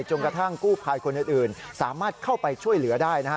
กระทั่งกู้ภัยคนอื่นสามารถเข้าไปช่วยเหลือได้นะฮะ